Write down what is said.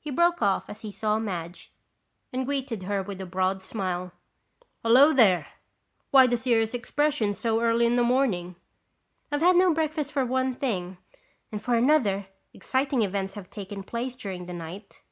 He broke off as he saw Madge and greeted her with a broad smile. "Hello, there. Why the serious expression so early in the morning?" "I've had no breakfast for one thing. And for another, exciting events have taken place during the night."